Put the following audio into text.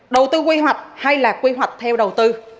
đầu tư quy hoạch hay là quy hoạch theo đầu tư